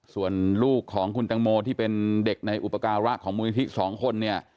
ส่วนลูกของคุณตังโมที่เป็นเด็กในอุปการะของมูลนิธิสองคนเนี่ย